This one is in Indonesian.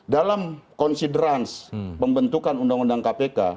dalam konsiderance pembentukan undang undang kpk